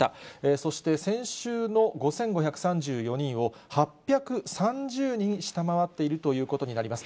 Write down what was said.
そして、先週の５５３４人を、８３０人下回っているということになります。